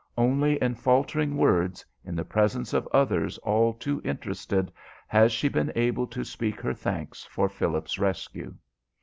Only in faltering words, in the presence of others all too interested, has she been able to speak her thanks for Philip's rescue.